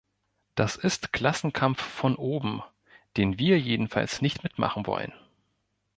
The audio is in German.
Das ist Klassenkampf von oben, den wir jedenfalls nicht mitmachen wollen!